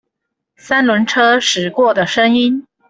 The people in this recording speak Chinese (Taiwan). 三輪車駛過的聲音